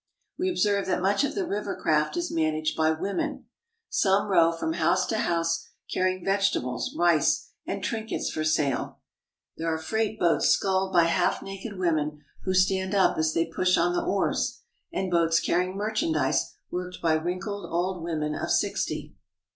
We observe that much of the river craft is managed by women. Some row from house to house, carrying vege SI AM AND THE SIAMESE 193 tables, rice, and trinkets for sale. There are freight boats sculled by half naked women who stand up as they push on the oars, and boats carrying merchandise worked by wrinkled old women of sixty.